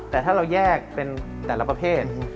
แต่ถ้าเราแยกเป็นแต่ละประเภท